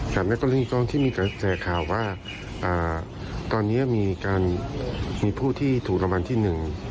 สำนวนครึ่งที่มีแสดงข่าวว่าอ่าตอนนี้มีการมีผู้ที่ถูกรางวัลที่หนึ่ง